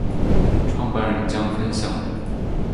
创办人将分享